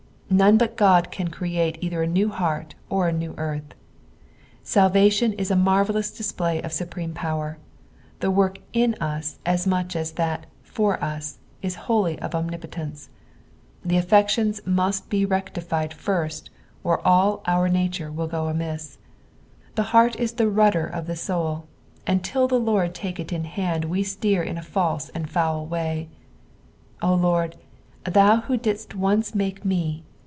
None but God can create either a new heart or a new earth. Salvation is a miarvellous display of supreme power ; the work i« us as much as that /or us is wholly of Omnipotence. The affections must; be rectified first, or all our nature will go amiss. vTlie. heart is the rudder of the soul, and till the Laid take it in hand we steer in a false and foul wayj O Lord, thou who didst once make me.